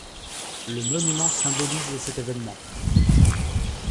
Le monument symbolise cet événement.